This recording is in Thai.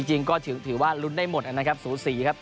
จริงก็ถือว่าลุ้นได้หมดนะครับสูสีครับ